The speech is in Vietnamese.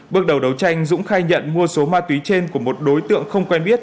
bước đầu đấu tranh dũng khai nhận mua số ma túy trên của một đối tượng không quen biết